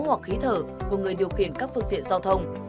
hoặc khí thở của người điều khiển các phương tiện giao thông